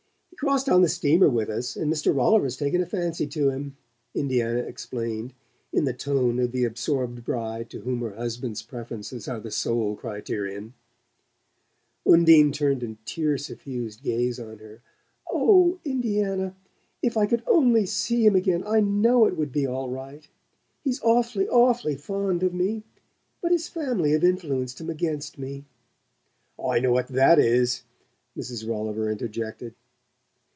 He crossed on the steamer with us, and Mr. Rolliver's taken a fancy to him," Indiana explained, in the tone of the absorbed bride to whom her husband's preferences are the sole criterion. Undine turned a tear suffused gaze on her. "Oh, Indiana, if I could only see him again I know it would be all right! He's awfully, awfully fond of me; but his family have influenced him against me " "I know what THAT is!" Mrs. Rolliver interjected.